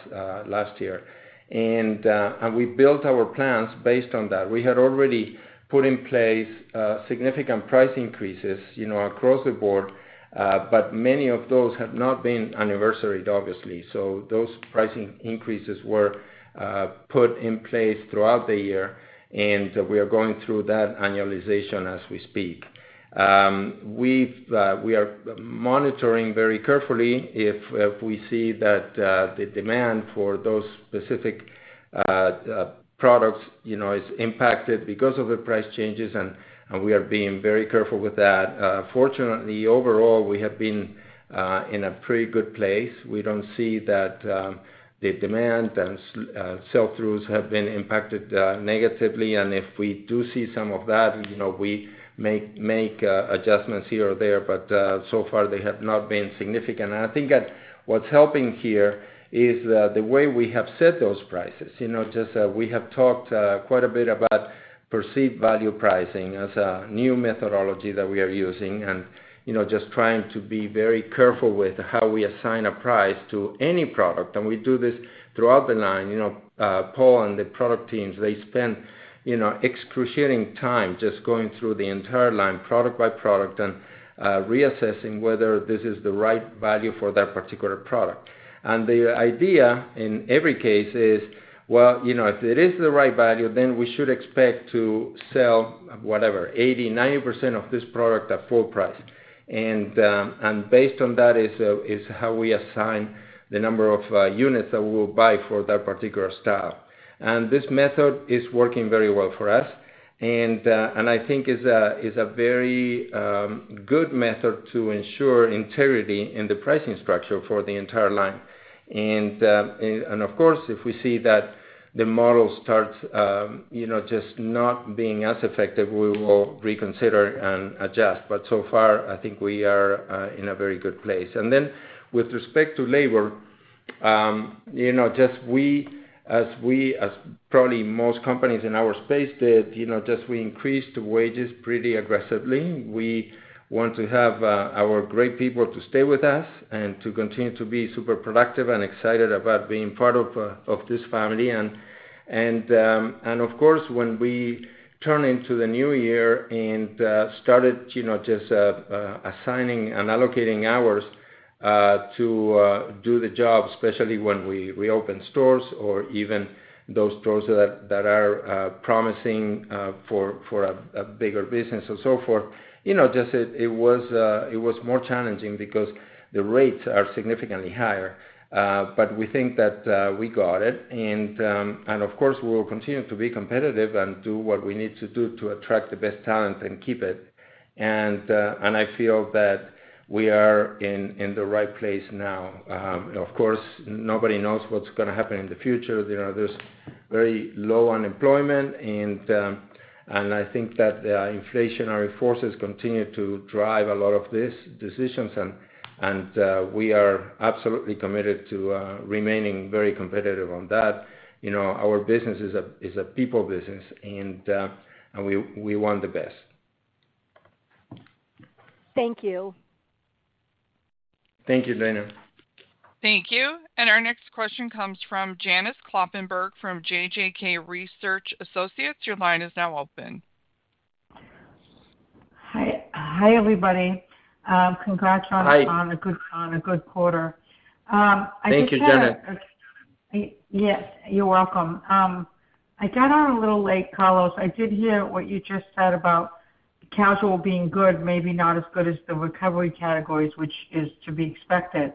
last year. We built our plans based on that. We had already put in place significant price increases, you know, across the board, but many of those have not been anniversaryed, obviously. Those pricing increases were put in place throughout the year, and we are going through that annualization as we speak. We are monitoring very carefully if we see that the demand for those specific products, you know, is impacted because of the price changes, and we are being very careful with that. Fortunately, overall, we have been in a pretty good place. We don't see that the demand and sell-throughs have been impacted negatively. If we do see some of that, you know, we make adjustments here or there, but so far they have not been significant. I think that what's helping here is the way we have set those prices. You know, just, we have talked quite a bit about perceived value pricing as a new methodology that we are using and, you know, just trying to be very careful with how we assign a price to any product. We do this throughout the line. You know, Paul and the product teams, they spend, you know, excruciating time just going through the entire line product by product and, reassessing whether this is the right value for that particular product. The idea in every case is, well, you know, if it is the right value, then we should expect to sell whatever, 80-90% of this product at full price. Based on that is how we assign the number of units that we will buy for that particular style. This method is working very well for us, and I think is a very good method to ensure integrity in the pricing structure for the entire line. Of course, if we see that the model starts, you know, just not being as effective, we will reconsider and adjust. So far, I think we are in a very good place. Then with respect to labor, you know, just as probably most companies in our space did, you know, we increased wages pretty aggressively. We want to have our great people to stay with us and to continue to be super productive and excited about being part of this family. Of course, when we turn into the new year and started, you know, just assigning and allocating hours to do the job, especially when we reopen stores or even those stores that are promising for a bigger business or so forth, you know, just it was more challenging because the rates are significantly higher. We think that we got it. Of course, we will continue to be competitive and do what we need to do to attract the best talent and keep it. I feel that we are in the right place now. Of course, nobody knows what's gonna happen in the future. You know, there is very low unemployment and I think that inflationary forces continue to drive a lot of these decisions. We are absolutely committed to remaining very competitive on that. You know, our business is a people business, and we want the best. Thank you. Thank you, Dana Telsey. Thank you. Our next question comes from Janet Kloppenburg from JJK Research Associates. Your line is now open. Hi. Hi, everybody. Congratulations. Hi. On a good quarter. Thank you, Janet. Yes, you're welcome. I got on a little late, Carlos. I did hear what you just said about casual being good, maybe not as good as the recovery categories, which is to be expected.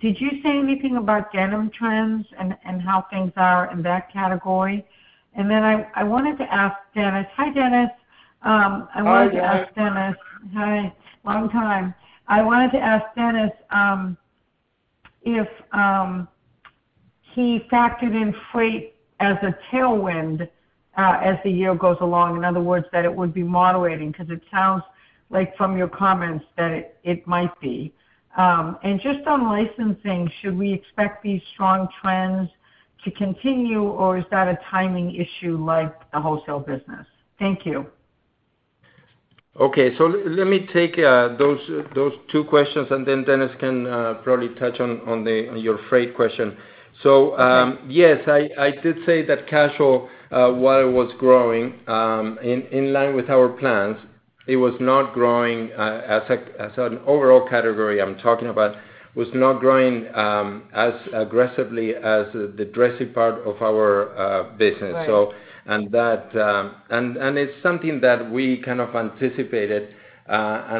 Did you say anything about denim trends and how things are in that category? I wanted to ask Dennis. Hi, Dennis. I wanted to ask Dennis. Hi, Dennis. Hi. Long time. I wanted to ask Dennis if he factored in freight as a tailwind as the year goes along, in other words, that it would be moderating because it sounds like from your comments that it might be. Just on licensing, should we expect these strong trends to continue, or is that a timing issue like the wholesale business? Thank you. Okay. Let me take those two questions, and then Dennis can probably touch on your freight question. Yes, I did say that casual while it was growing in line with our plans. It was not growing as an overall category I'm talking about, was not growing as aggressively as the dressy part of our business. Right. It's something that we kind of anticipated.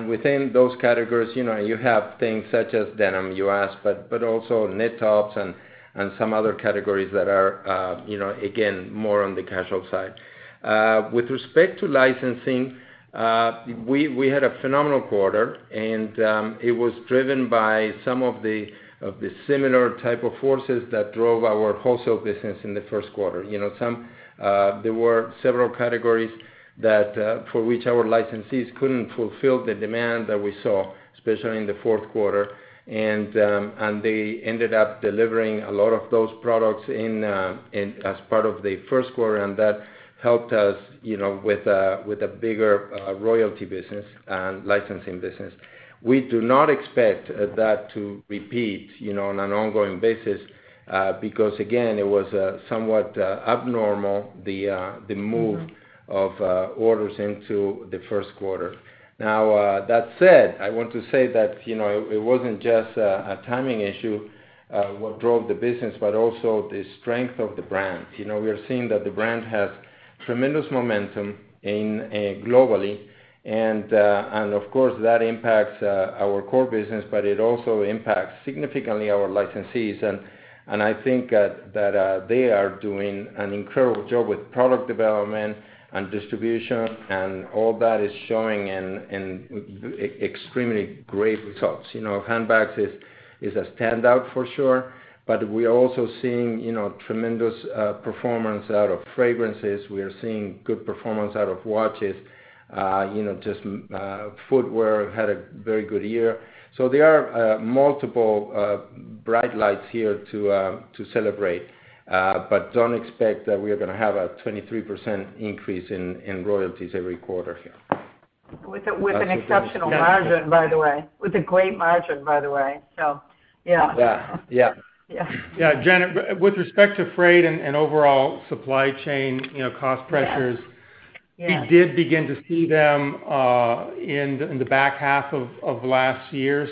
Within those categories, you know, you have things such as denim you asked, but also knit tops and some other categories that are, you know, again, more on the casual side. With respect to licensing, we had a phenomenal quarter and it was driven by some of the similar type of forces that drove our wholesale business in the Q1. You know, there were several categories for which our licensees couldn't fulfill the demand that we saw, especially in the Q4. They ended up delivering a lot of those products as part of the Q1, and that helped us, you know, with a bigger royalty business and licensing business. We do not expect that to repeat, you know, on an ongoing basis, because again, it was somewhat abnormal. Mm-hmm. Of orders into the Q1. Now, that said, I want to say that, you know, it wasn't just a timing issue what drove the business, but also the strength of the brand. You know, we are seeing that the brand has tremendous momentum globally and of course, that impacts our core business, but it also impacts significantly our licensees. I think that they are doing an incredible job with product development and distribution, and all that is showing in extremely great results. You know, handbags is a standout for sure, but we are also seeing, you know, tremendous performance out of fragrances. We are seeing good performance out of watches. You know, just footwear had a very good year. There are multiple bright lights here to celebrate. But don't expect that we are gonna have a 23% increase in royalties every quarter here. With an exceptional margin, by the way. With a great margin, by the way. Yeah. Yeah. Yeah. Yeah. Yeah. Janet, with respect to freight and overall supply chain, you know, cost pressures. Yes. Yes. We did begin to see them in the back half of last year.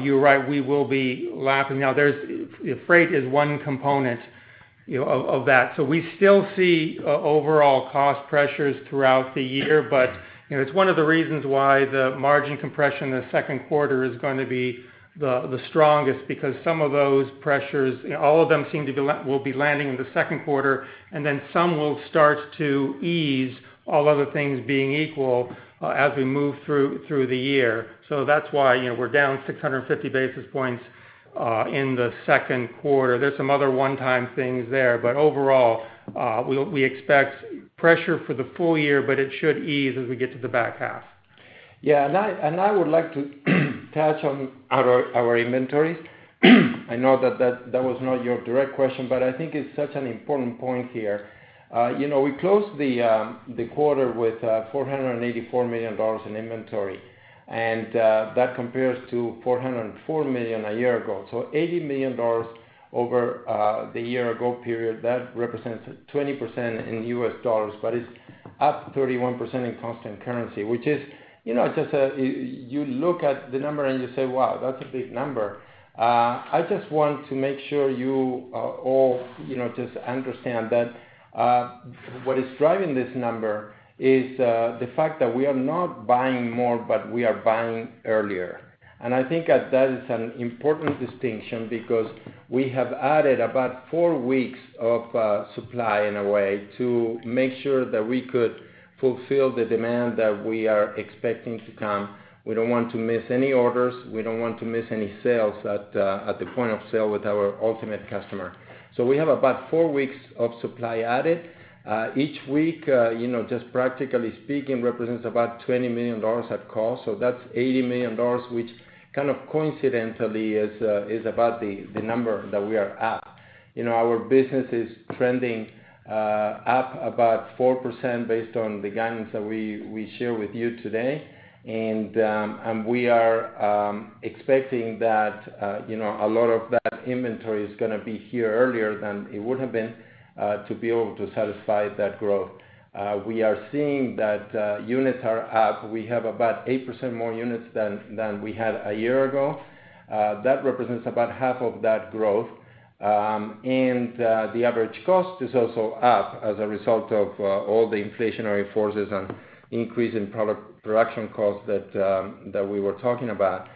You're right, we will be lapping. Freight is one component, you know, of that. We still see overall cost pressures throughout the year, but, you know, it's one of the reasons why the margin compression in the Q2 is going to be the strongest because some of those pressures, all of them will be landing in the Q2, and then some will start to ease, all other things being equal, as we move through the year. That's why, you know, we're down 650 basis points in the Q2. There's some other one-time things there. But overall, we expect pressure for the full year, but it should ease as we get to the back half. Yeah. I would like to touch on our inventories. I know that was not your direct question, but I think it's such an important point here. You know, we closed the quarter with $484 million in inventory, and that compares to $404 million a year ago. So $80 million over the year ago period, that represents 20% in US dollars, but it's up 31% in constant currency. Which is, you know, just you look at the number and you say, "Wow, that's a big number." I just want to make sure you all, you know, just understand that what is driving this number is the fact that we are not buying more, but we are buying earlier. I think that is an important distinction because we have added about four weeks of supply in a way to make sure that we could fulfill the demand that we are expecting to come. We don't want to miss any orders. We don't want to miss any sales at the point of sale with our ultimate customer. We have about four weeks of supply added. Each week, you know, just practically speaking, represents about $20 million at cost. That's $80 million, which kind of coincidentally is about the number that we are at. You know, our business is trending up about 4% based on the guidance that we share with you today. We are expecting that you know a lot of that inventory is gonna be here earlier than it would have been to be able to satisfy that growth. We are seeing that units are up. We have about 8% more units than we had a year ago. That represents about half of that growth. The average cost is also up as a result of all the inflationary forces and increase in product production costs that we were talking about.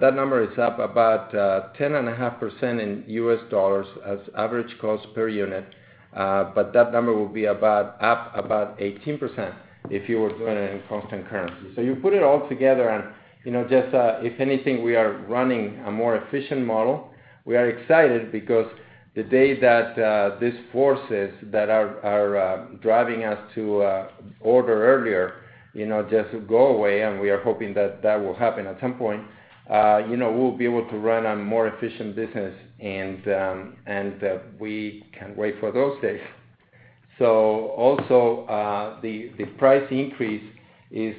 That number is up about 10.5% in US dollars as average cost per unit. But that number will be up about 18% if you were doing it in constant currency. You put it all together and, you know, just, if anything, we are running a more efficient model. We are excited because the day that these forces that are driving us to order earlier, you know, just go away, and we are hoping that that will happen at some point, you know, we'll be able to run a more efficient business and we can't wait for those days. Also, the price increase is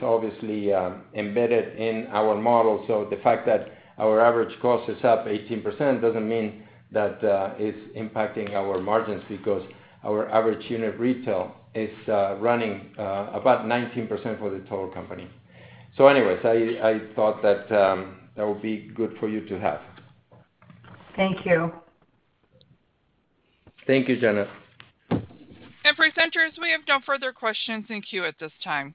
obviously embedded in our model. The fact that our average cost is up 18% doesn't mean that it's impacting our margins because our average unit retail is running about 19% for the total company. So anyways, I thought that that would be good for you to have. Thank you. Thank you, Janet. Presenters, we have no further questions in queue at this time.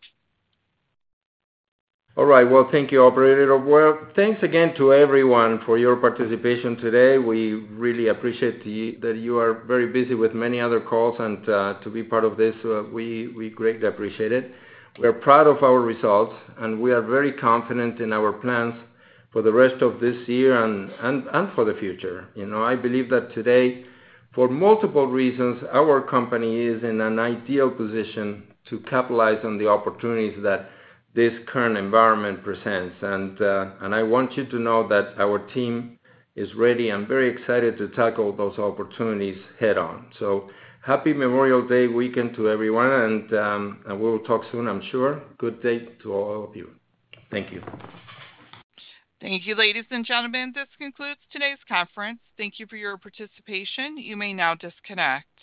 All right. Well, thank you, operator. Well, thanks again to everyone for your participation today. We really appreciate that you are very busy with many other calls and to be part of this, we greatly appreciate it. We are proud of our results, and we are very confident in our plans for the rest of this year and for the future. You know, I believe that today, for multiple reasons, our company is in an ideal position to capitalize on the opportunities that this current environment presents. I want you to know that our team is ready and very excited to tackle those opportunities head on. Happy Memorial Day weekend to everyone, and we'll talk soon, I'm sure. Good day to all of you. Thank you. Thank you, ladies and gentlemen. This concludes today's conference. Thank you for your participation. You may now disconnect.